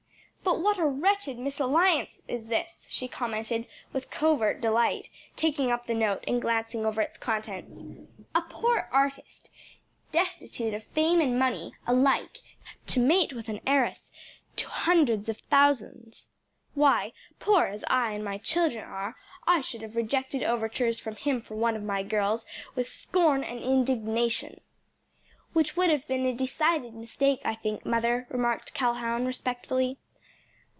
"But what a wretched mésalliance is this!" she commented, with covert delight, taking up the note and glancing over its contents. "A poor artist, destitute of fame and money alike, to mate with an heiress to hundreds of thousands! Why, poor as I and my children are, I should have rejected overtures from him for one of my girls with scorn and indignation." "Which would have been a decided mistake, I think, mother," remarked Calhoun, respectfully.